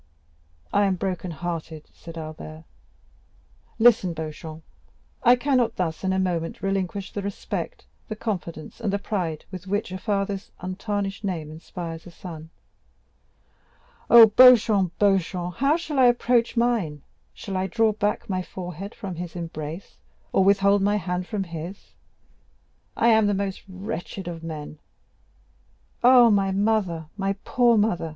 40178m "I am broken hearted," said Albert. "Listen, Beauchamp! I cannot thus, in a moment relinquish the respect, the confidence, and pride with which a father's untarnished name inspires a son. Oh, Beauchamp, Beauchamp, how shall I now approach mine? Shall I draw back my forehead from his embrace, or withhold my hand from his? I am the most wretched of men. Ah, my mother, my poor mother!"